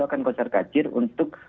akan kosar kacir untuk